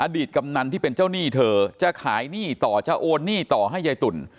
ตกำนันที่เป็นเจ้าหนี้เธอจะขายหนี้ต่อจะโอนหนี้ต่อให้ยายตุ่น